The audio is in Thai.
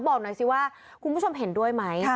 บอกหน่อยสิว่าคุณผู้ชมเห็นด้วยไหม